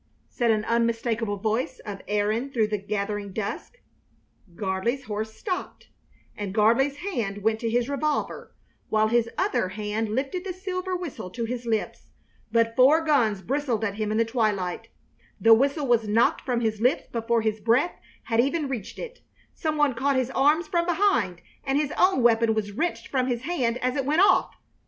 said an unmistakable voice of Erin through the gathering dusk. Gardley's horse stopped and Gardley's hand went to his revolver, while his other hand lifted the silver whistle to his lips; but four guns bristled at him in the twilight, the whistle was knocked from his lips before his breath had even reached it, some one caught his arms from behind, and his own weapon was wrenched from his hand as it went off.